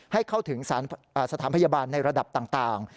ให้เข้าถึงสถานพยาบาลในระดับต่าง